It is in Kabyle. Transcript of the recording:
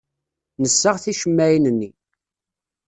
Nessaɣ ticemmaɛin-nni.